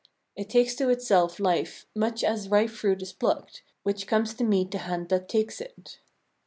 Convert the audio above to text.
It takes to itself life much as a ripe fruit is plucked, which comes to meet the hand that takes it.